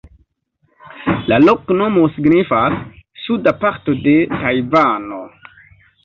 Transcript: La loknomo signifas: "suda parto de Tajvano".